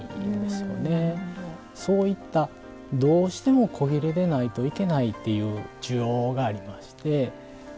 そういったどうしても古裂でないといけないっていう需要がありまして。